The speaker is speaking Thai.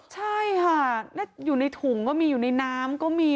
ใช่ค่ะอยู่ในถุงก็มีอยู่ในน้ำก็มี